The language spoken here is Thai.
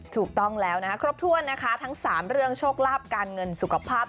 ถูกต้องแล้วนะคะครบถ้วนนะคะทั้ง๓เรื่องโชคลาภการเงินสุขภาพ